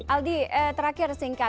aldi terakhir singkat